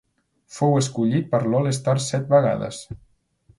Fou escollit per l'All-Star set vegades.